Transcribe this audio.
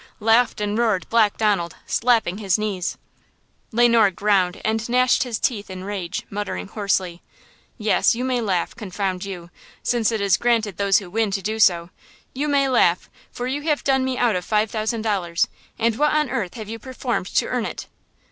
laughed and roared Black Donald, slapping his knees. Le Noir ground and gnashed his teeth in rage, muttering hoarsely: "Yes, you may laugh, confound you, since it is granted those who win to do so! You may laugh; for you have done me out of five thousand dollars, and what on earth have you performed to earn it?"